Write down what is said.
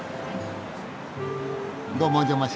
どうもお邪魔しました。